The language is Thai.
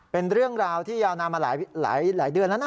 เป็นเรื่องราวที่ยาวนานมาหลายเดือนแล้วนะ